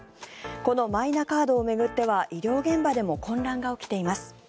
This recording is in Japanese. このマイナカードを巡っては医療現場でも混乱が起きています。